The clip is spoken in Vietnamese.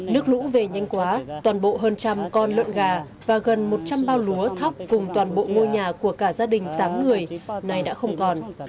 nước lũ về nhanh quá toàn bộ hơn trăm con lợn gà và gần một trăm linh bao lúa thóc cùng toàn bộ ngôi nhà của cả gia đình tám người nay đã không còn